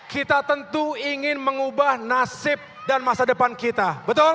kita tentu ingin mengubah nasib dan masa depan kita